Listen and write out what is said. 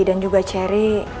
dan juga cherry